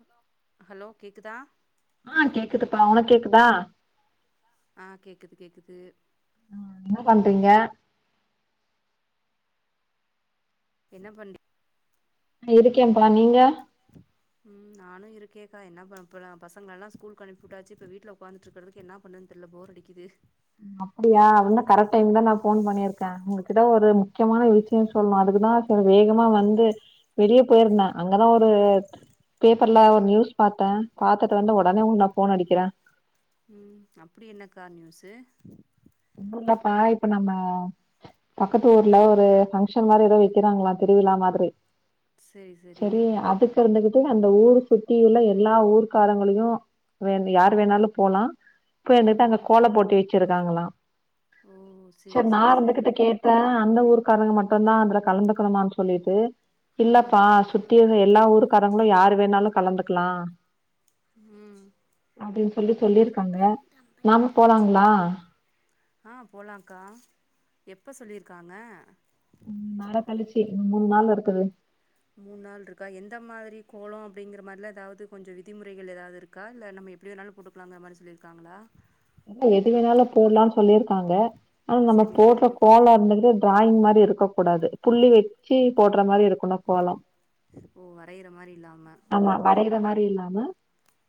hello hello கேக்குதா ஆ கேக்குதுப்பா உனக் கேக்குதா ஆ கேக்குது கேக்குது ஆ என்ன பண்றீங்க என்ன பண்றீ ஆ இருக்கேம்பா நீங்க ம் நானும் இருக்கேக்கா என்ன இப்ப பசங்கள எல்லா ஸ்கூல்க்கு அனுப்பிவிட்டாச்சு இப்ப வீட்ல உக்காந்துட்டு இருக்கறதுக்கு என்னாப் பண்ணேன்னு தெர்ல போர் அடிக்குது அப்படியா அப்பின்னா கரெக்ட் டைம் தா நா ஃபோன் பண்ணியிருக்க உங்ககிட்ட ஒரு முக்கியமான வச்சி விஷியோ சொல்ணு அதுக்குதா சரி வேகமா வந்து வெளிய போயிருந்த அங்கதா ஒரு பேப்பர்ல ஒரு நியூஸ் பாத்த பாத்துட்டு வந்து உடனே உனக்கு ஃபோன் அடிக்கிற ம் அப்டி என்னக்கா நியூஸ்சு ஒன்னும் இல்லப்பா இப்ப நம்ம பக்கத்து ஊர்ல ஒரு பங்க்ஷன் மாறி ஏதோ வெக்குறாங்களா திருவிழா மாதிரி செரி அதுக்கு இருந்துகிட்டு அந்த ஊர் சுத்தி உள்ள எல்லா ஊர்க்காரங்களையு வேன் யார் வேணாலு போலா போய் இன்னுட்டு அங்க கோல போட்டி வச்சிருக்காங்களா ஓ செர் நா இருந்துகிட்டு கே ட்ட அந்த ஊர்க்காரங்க மட்டுந்தா அதுல கலந்துக்கணுமா சொல்லிட்டு இல்லப்பா சுத் தி உள்ள எல்லா ஊர் காரங்களு யார் வேணாலு கலந்துக்கலா ம் அப்டின்னு சொல்லி சொல்லியிருக்காங்க நாம்ம போலாங்களா ஆ போலாக்கா எப்ப சொல்லியிருக்காங்க ம் நாளக்கழிச்சு இன்னும் மூனு நாளு இருக்குது மூன் நாள்ருக்கா எந்த மாதிரி கோலோ அப்டிங்கற மாறில்லா ஏதாவது கொஞ்சோ விதிமுறைகள் ஏதாவது இருக் கா இல்ல நம்ம எப்டி வேணாலு போட்டுக்கலாங்க மாறி சொல்லியிருக்காங்களா இல்ல எது வேணாலு போட்லான்னு சொல்லியிருக்காங்க ஆனா நம்ம போட்ற கோலோ இருந்துகிட்டு டிராயிங் மாறி இருக்க கூடாது புள்ளி வச்சி போட்ற மாறி இருக்கணு கோலம் ஆமா வரையிற மாறி இல்லாம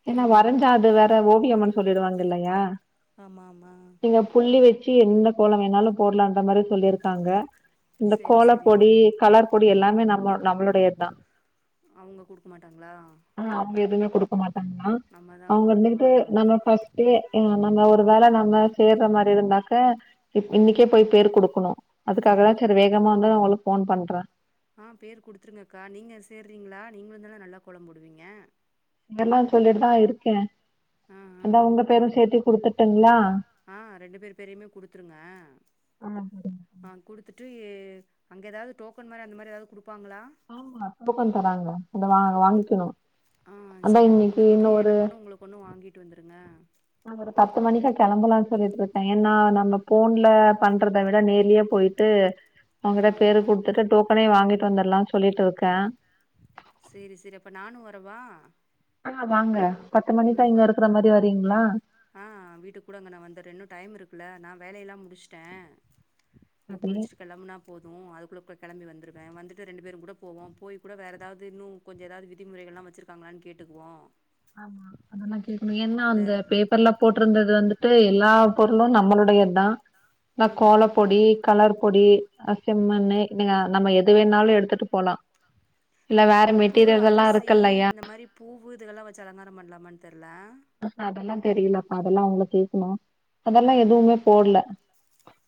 ஏன்னா வரஞ்சா அது வேற ஓவியமன் சொல்லிடுவாங்க இல்லையா ஆமா ஆமா நீங்க புள்ளி வச்சி என்ன கோலோ வேணாலு போட்லான்ற மாறி சொல்லியிருக்காங்க இந்த கோலப்பொடி கலர்ப்பொடி எல்லாமே நம்ம நம்மளுடையதுதா ஆ அவங்க எதுவுமே குடுக்க மாட்டாங்களா அவங்க வந்துக்ட்டு நம்ம பஸ் க்குது எ நம்ம ஒரு வேள நம்ம செய்ற மாரி இருந்தாக்க இ இன்னைக்கே போய் பேர் குடுக்கணு அதுக்காகதா சரி வேகமா வந்தா அவங்களுக்கு ஃபோன் பண்றே ஆ பேர் குடுத்துருங்கக்கா நீங்க சேர்றிங்களா நீங்களுந்தான நல்லா கோலம் போடுவீங்க இதெல்லா சொல்லிட்டுதா இருக்கே அந்தா உங்க பேரு சேத்து குடுத்துட்டுங்ளா ஆ ரெண்டு பேர் பேரையுமே குடுத்துருங்க ஆ குடுத்துட்டு அங்கே எதாவ்து டோக்கன் மாரி அந்த மாரி எதாவ்து குடுப்பாங்களா ஆமா டோக்கன் தராங்கள அத வா வாங்கிக்கணு அதா இன்னைக்கு இன்னு ஒரு கொன்னு வாங்கிட்டு வந்துடுங்க நா ஒரு பத்து மணிக்கா கெளம்பலான் சொல்லிட்டுருக்கே ஏன்னா நம்ம ஃபோன்ல பண்றத விட நேர்லே போயிட்டு அங்கதா பேரு குடுத்துட்டு டோக்கனே வாங்கிட்டு வந்தர்லானு சொல்லிட்டுருக்க சேரி சேரி அப்ப நானு வரவா ஆ வாங்க பத்து மணிக்கா இங்க இருக்கற மாரி வர்றீங்ளா ஆ வீட்டு கூட அங்கே நா வந்தற இன்னு டைம் இருக்குல நா வேலைலா முடிச்சுட்டே நீ குளிச்சுரு கெளம்புனா போது அதுக்குள்ள கெ கெளம்பி வந்துருவே வந்துட்டு ரெண்டு பேருங் கூட போவோ போய் கூட வேற எதாவ்து இன்னு கொஞ்சொ எதாவ்து விதிமுறைகளா வச்சிருக்காங்களான் கேட்டுக்குவோ ஆமா அதலா கேக்கணு ஏனா அந்த பேப்பர்ல போட்டிருந்தது வந்துட்டு எல்லா பொருளு நம்மளுடையதா இந்த கோலப்பொடி கலர் பொடி அ செம்மண்ணு இதுல நம்ம எது வேணாலு எடுத்துட்டு போலா இந்த உப்பு அரிசி இந்த மாரி பூவு இதுகெலா வச்சு அலங்காரம் பண்லாமான் தெர்ல ஆ அதெல்லா தெரிலப்பா அதெல்லா அவ்ங்கள கேக்ணு ஆ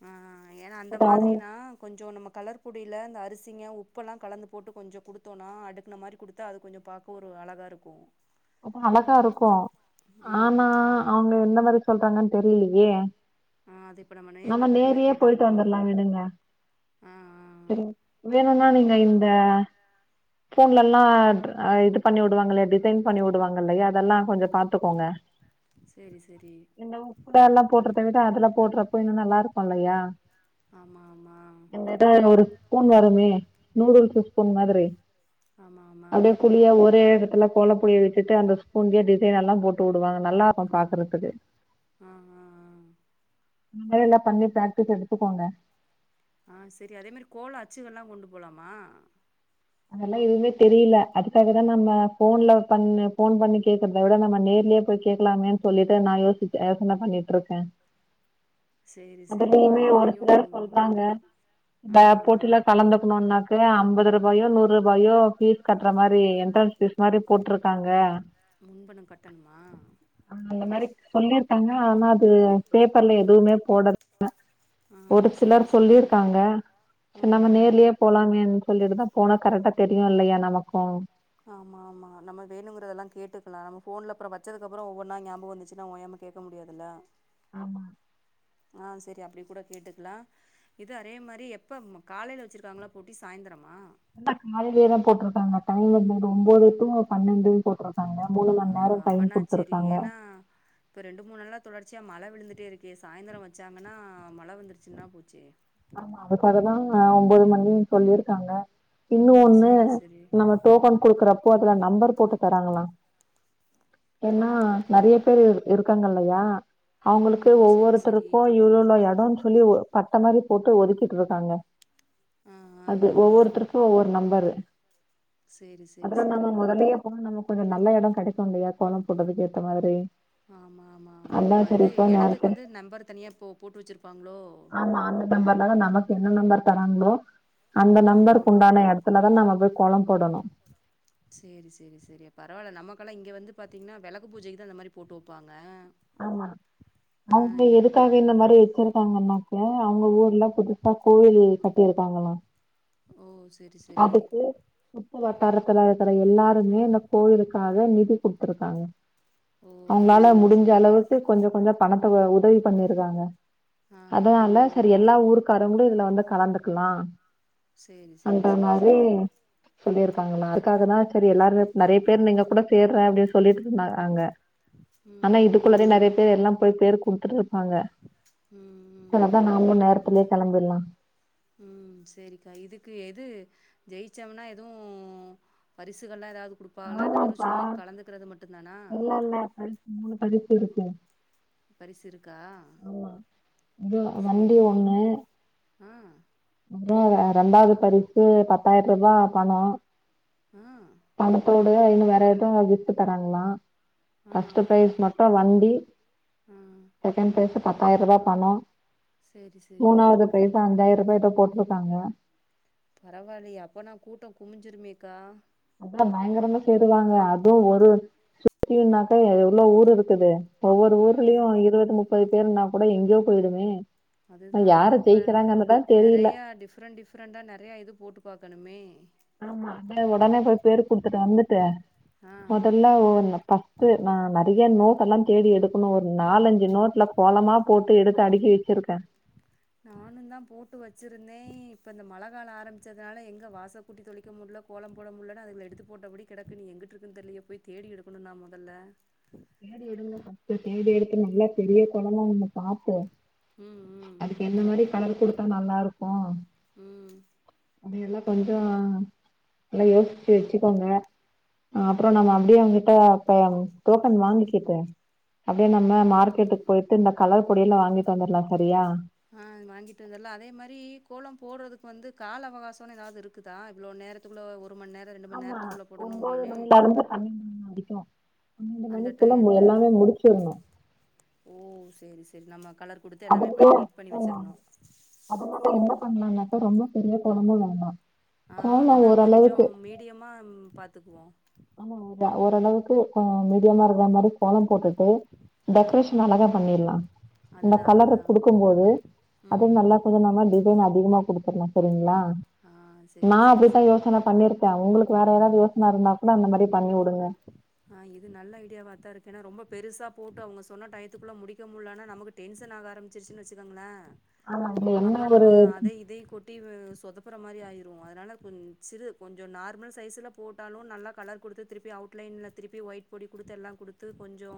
ஆ ஆ அ ஏனா அந்த மாதிரினா கொஞ்சொ நம்ம கலர் பொடில இந்த அரிசிங்க உப்பெல்லா கலந்து போட்டு கொஞ்சொ குடுத்தோன்னா அடுக்குன மாரி குடுத்தா அது கொஞ்சொ பாக் கோ ஒரு அழகாருக்கு அப்போ அழகாருக்கு ஆனா அவங்க எந்த மாதிரி சொல்றாங்கன் தெர்லியே நம்ம நேர்லே போயிட்டு வந்தர்லா விடுங்க ஆ ஆ சேரிங் வேணுனா நீங்க இந்த ஃபோன்லல்லா அ இது பண்ணி விடுவாங்கல்ல டிசைன் பண்ணி விடுவாங்கல்லையா அதெல்லா கொஞ்சொ பாத்துக்கோங்க செரி செரி என்ன உப்புல்லலா போட்றத விட அதுல போடுறப்ப இன்னு நல்லா இருக்கு இல்லையா ஆமா ஆமா சின்னதா ஒரு ஒரு ஸ்பூன் வருமே நூடுல்ஸ் ஸ்பூன் மாதிரி அப்டியே குழியா ஒரே எடத்துல கோலப் பொடிய வெச்சுட்டு அந்த ஸ்பூண்லே டிசைன் எல்லா போட்டு வுடுவாங்க நல்லா ஆ ஆ ஆ நீங்க எல்லா பண்ணி பிராக்டிஸ் எடுத்துக்கோங்க ஆ செரி அதே மாரி கோலோ அச்சுகள்ல்லா கொண்டு போலாமா அதெல்லா எதுவுமே தெரியல அதுக்காகதான நம்ம ஃபோன்ல பண்ண ஃபோன் பண்ணி கே க்றத விட நம்ம நேர்லே போய் கேக்கலாமேன் சொல்லிட்டு நா யோச்சுட்டு அ யோசன பண்ணிட்டு இருக்கே அதுலயுமே ஒரு சிலர் சொல்றாங்க இந்த போட்டில கலந்துக்கணுனாக்க அம்பது ரூ நூறு ரூபாயோ ஃபீஸ் கட்ற மாரி என்ட்ரன்ஸ் ஃபீஸ் மாரி போட்ருக்காங்க முன்பணம் கட்டணுமா அந்த மாரி சொல்லிருக்காங்க ஆனா அது பேப்பர்ல எதுவுமே போடல ஒரு சிலர் சொல்லியிருக்காங்க செர் நம்ம நேர்லயே போலாமேன் சொல்லிட்டுதா போனா கரெக்டா தெரியு இல்லயா நமக்கும் ஆமா ஆமா நம்ம வேணுங்கறல்லா கேட்டுக்கலா நம்ம ஃபோன்ல அப்றோ வச்சதுக்கப்புறோ ஒவ்வொன்னா ஞாபோ வந்துச்சுன்னா ஒய்யாம்ம கேக்க முடியாதுல ஆமா ஆ செரி அப்டி கூட கேட்டுக்லா இது அரே மாரி எப்ப காலையில வச்சிருக்காங்ளா போட்டி சாய்ந்திரமா இல்ல காலையிலே தா போட்ருக்காங்க டைம் வந்து ஒம்பது டு பன்னெண்டு போட்ருக்காங்க ஆ அப்பனா சேரி ஏன்னா இப்ப ரெண்டு மூணு நாளா தொடர்ச்சியா மழ விழுந்துட்டே இருக்கு சாய்ந்தரம் வச்சாங்கன்னா மழ வந்துடுசின்னா போச்சே ஆமா அதுக்காகதா ஒம்பது மணி சொல்லிருக்காங்க இன்னொன்னு நம்ம டோக்கன் குடுக்கறப்போ அதுல நம்பர் போட்டு தராங்களா ஏன்னா நெறைய பேரு இருக்காங்கல்லையா அவுங்குளுக்கு ஒவ்வொருத்தருக்கும் இவ்ளோவ்ளோ எடம் சொல்லி பட்ட மாரி போட்டு ஒதுக்கிட்ருக்காங்க அது ஒவ்வொருத்ருக்கு ஒவ்வொரு நம்பரு அதுல நம்ம மொதல்ல யே போனா நமக்கு கொஞ்சம் நல்ல எடம் கெடைக்கும் இல்லயா கோலம் போடதுக்கு ஏத்த மாதிரி ஆமாமாமா அப்போ இது எடத்துக்கு வந்து நம்பர் தனியா இப்ப போட்டு வச்சிருப்பாங்ளோ ஆமா அந்த நம்பர்லாதா நமக்கு என்ன நம்பர் தராங்ளோ அந்த நம்பருக்கு உண்டான எடத்துல தா நம்ம போய் கோலம் போடணு செரி செரி செரி பரவால்ல நம்மகெல்லா இங்க வந்து பாத்தீங்ன்னா வெளக்கு பூஜைக்கு தா அந்த மாரி போட்டு வெப்பாங்க ஆமா அவுங்க எதுக்காக இந்த மாரி வச்சிருக்காங்கன்னாக்க அவுங்க ஊர்ல புதுசா கோவில்லு கட்டிருக்காங்கள ஓ செரி அதுக்கு சுத்து வட்டாரத்துல இருக்கற எல்லாருமே இந்த கோவிலுக்காக நிதி குடுத்துருக்காங்க அவுங்ளால முடிஞ்சளவுக்கு கொஞ்சோ கொஞ்சோ பணத்த உதவி பண்ணிருக்காங்க அதனால செரி எல்லா ஊருக்காரங்களும் இதுல வந்து கலந்துக்குலா சேரி செரி செரி செரி சொல்லிருக்காங்களா அதுக்காகதா செரி எல்லாாருமே நெறைய பேர் நீங்க கூட சேர்ற அப்டி சொல்லிட்ருந்தாங்க அங்க ஆனா இதுக்குள்ளரே நெறைய பேர் எல்லாம் போய் பேரு குடுத்துட்ருப்பாங்க செர் அதா நாமு நேரத்திலே கெளம்பிலா ம் சேரிக்கா இதுக்கு எது ஜெயிச்சம்னா எதுவு பரிசுகள்லா எதாவ்து குடுப்பாங்ளா இல்ல வெறு சும்மா கலந்துக்கறது மட்டு தானா இல்ல பரி மூணு பரிசிருக்கோ பரிசிருக்கா செரி செரி ஆ உண்மையா ரெண்டாவ்து பரிசு பத்தாயிர்ரூபா பணோ ஆ பணத்தோடவே இன்னு வேற எதோ கிஃப்ட் தராங்களா ஃபர்ஸ்ட்டு பிரைஸ் மட்டு வண்டி செகண்ட் பிரைஸ் பத்தாயிரூபா பணம் மூணாவ்து பிரைஸ்ஸு அஞ்சாயிரூபா எதோ போட்ருக்காங்க பரவால்லயே அப்போனா கூட்டோ குமிஞ்சுருமேக்கா அதெல்லா பயங்கரமா சேருவாங்க அதுவு ஒரு சுற்றினாக்கா எவ்ளோ ஊரு இருக்குது ஒவ்வொரு ஊர்லயு இருவது முப்பது பேருனா கூட எங்கேயோ போயிடுமே அதுதா அதுதா அப்ப நெறைய டிஃப்ரெண்ட் டிஃப் ரெண்டா நெறைய இது போட்டு பாக்கணுமே ஆமா அதா உடனே போய் பேர் குடுத்துட்டு வந்துட்டு மொதல்ல ஓனும்பா து நா நெறைய நோட் எல்லா தேடி எடுக்குணு ஒரு நாலஞ்சு நோட்ல கோலமா போட்டு எடுத்து அடுக்கி வச்சிருக்கே நானுந்தா போட்டு வச்சுருந்தே இப்போ இந்த மழ காலோ ஆரம்பிச்சுதுனால எங்க வாச கூட்டி தொலைக்க முடில கோலம் போட முடியலன்ன அதுகல எடுத்து போட்டபடி கெடக்கு இனி எங்கிட்டருக்குனு தெரிலையே போய் தேடி எடுக்கணு நா மொதல்ல தேடி எடுங்க ஃபர்ஸ்ட் தேடி எடுத்து நல்லா பெரிய கோலமா ஒன்னு பாப்போ ம் ம் எந்த மாரி கலர் குடுத்தா நல்லாருக்கோ ம் அதெயெல்லா கொஞ்சோ நல்லா யோசிச்சு வச்சுக்கோங்க அ அப்றோ நம்ம அப்டியே அவகிட்ட பே டோக்கன் வாங்கிக்கிட்டு அப்டியே நம்ம மார்க்கெட்டுக்கு போயிட்டு இந்த கலர் பொடியிலா வாங்கிட்டு வந்துர்லா சரியா அ வாங்கிட்டு வந்துற்லா அதே மாரி கோலோ போடுறதுக்கு வந்து கால அவகாசன்னோ ஏதாது இருக் க்குதா இவ்ளோ நேரத்துக்குள்ள ஒரு மண் நேரோ ரெண்டு மண் நேரத்துக்குள்ள போடனோ அப்டின்னு பன்னெண்டு மணி அதிகோ பன்னெண்டு மணிக்குள்ள எல்லாமே முடிச்சுர்னு ஓ சேரி சேரி நம்ம கலர் குடுத்து எல்லாமே பண்ணி நீட் பண்ணி வச்சுருனு [inaudible] பண்லான்னக்கா ரொம்ப பெரிய கோலோமா வேணா அ அதுதா கொஞ்சோ மீடியமா பாத்துக்குவோ ஆமா ஒரு ஓரளவுக்கு அ மீடியமா இருக்க மாரி கோலோ போட்டுட்டு டெக்கரேஷன் அழகா பண்ணிறல்லா இந்த கலர குடுக்கும் போது அது நல்லா கொஞ்சோ நம்ம [unintelligible] அதிகமா குடுத்துறலா செரிங்ளா நா அப்டித்தா யோசன பண்ணிருக் க உங்களுக்கு வேற ஏதாவது யோசன இருந்தா கூட அந்த மாரி பண்ணிவுடுங்க அ இது நல்ல ஐடியாவா தா இருக்கு ஏனா ரொம்ப பெருசா போட்டு அவுங்க சொன்ன டயத்துக்குள்ள முடிக்க முல்லன்னா நமக்கு டென்சன் ஆக ஆரம்பிச்சிருச்சின்னு வச்சுக்கோங்கள அப்றோ நம்ம அதயு இதயு கொட் டி சொதப்புற மாரி ஆயிரு அதனால கொஞ் சிறு கொஞ்ச நார்மல் சைஸ்ல போட்டாலு நல்லா கலர் குடுத்து திருப்பி அவுட்லைன்ல திருப்பி ஒயிட் பொடி குடுத்து எல்லா குடுத்து கொஞ்சோ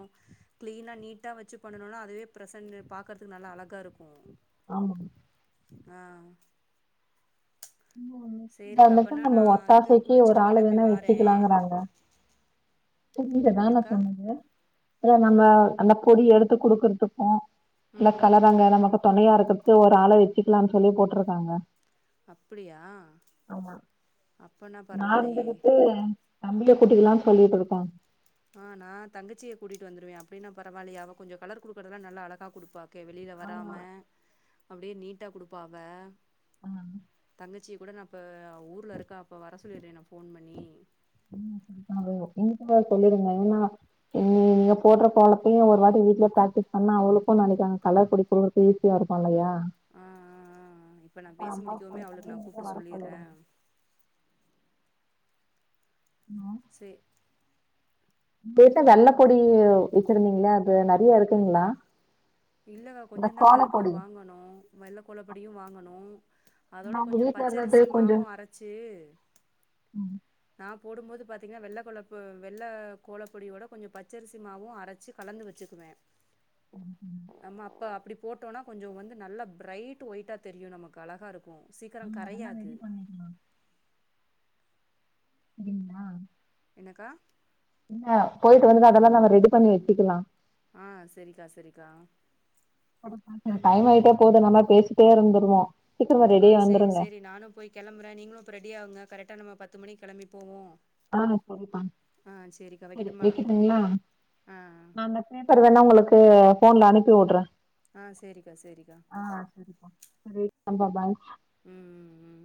கிளீனா நீட்டா வெச்சு பண்ணனோன்னா அதுவே ப்ரசன்னு பாக்கறதுக்கு நல்லா அழகா இருக்கூ ஆமா அ [unintelligible] நம்ம ஒத்தாசைக்கி ஒரு ஆள வேணா வச்சிக்கலாங்கறாங்க புரிஞ்சுது தான நா சொன்னது அதா நம்ம அந்த பொடி எடுத்து குடுக்கறத்துக்கூ இல்ல கலறங்க நமக்கு தொணையா இருக்கறதுக்கு ஒரு ஆள வச்சிக்கலான் சொல்லி போட்ருக்காங்க ஆமா நா இருந்துகிட்டு நம்மளே குட்டிக்கல்லா சொல்லிட்டு இருக்கோ அ நா தங்கச்சிய கூட்டிட்டு வந்துருவே அப்டின்னா பரவால்லையா அவ கொஞ்சோ கலர் குடுக்குறதல்லா நல்லா அழகா குடுப்பா கே வெளியில வராம அப்டியே நீட்டா குடுப்பா அவ அ தங்கச்சிய கூட நா இப்ப ஊர்ல இருக்கா அப்பவர சொல்லிரே நா ஃபோன் பண்ணி ம் ம் அ [unintelligible] இன்னிக்குள்ள சொல்லிருங்க ஏன்னா ம் நீங்க போட்ற கோலத்தையு ஒரு வாட்டி வீட்ல பிராக்டிஸ் பண்ணா அவளு க்கு நாளைக்கு அங்க கலர் குடுக்கறதுக்கு ஈஸியா இருக்கு இல்லையா அ அ அ அ இப்ப நா பேச முடிக்கவுமே அவளுக்கு நா கூப்ட்டு சொல்லிற ன்னோ செ வீட்ல வெள்ளப் பொடி வெச்சிருந்தீங்ளே அது நெறைய இருக்குங்ளா இல்லக்கா கொஞ்சந்தாக்கா இருக்கு வாங்கனோ வெள்ளக் கோலப்பொடியு வாங்கனோ அதோட கொஞ்சோ பச்சரிசி மாவு அரச்சி நா போடும்போது பாத்தீங்எனா வெள்ள கோலப் வெள்ள கோலப்பொடியோட கொஞ்சோ பச்சரிசிமாவோ அர ச்சி கலந்து வெச்சுக்குவே ம் ம் நாம அப்ப அப்டி போட்டோனா கொஞ்சோ வந்து நல்ல பிரைட் ஒயிட்டா தெரியு நமக்கு அழகா இருக் கு சீக்கறோ கரையாது செரிங்ளா என்னக்கா என்ன போயிட்டு வந்து அதெல்லா நம்ம ரெடி பண்ணி வெச்சுக்கலா ஆ செரிக்கா செரிக்கா [inaudible] டைம் ஆயிட்டே போயிடு நம்ம பேசிட்டே இருந்துருவோ ஆ சேரி சேரி நானு போய் கெளம்புறே நீங்களு போய் ரெடியாகுங்க கரெக்டா நம்ம பத்து மணிக்கு கெளம்பி போவோ ஆ செரிப்பா செரி வெக்கட்டுங்களா நா பேப்பர் வேணா உங்களுக்கு போன்ல அனுப்பி வுட்றே ஆ செரிக்கா செரிக்கா செரிப்பா ஆ பா பாய் ம் ம் ம்